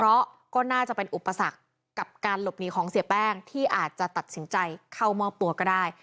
เพราะก็น่าจะเป็นอุปสรรคกับการหลบหนีของเสียแป้งที่อาจจะตัดสินใจเข้ามอบตัวก็ได้